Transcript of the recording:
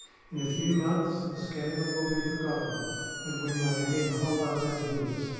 In a few months the scandal will be forgotten, and we may again hold up our heads.